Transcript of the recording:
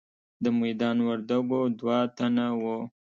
د میدان وردګو دوه تنه وو.